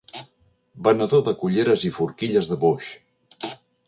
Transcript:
Venedor de culleres i forquilles de boix.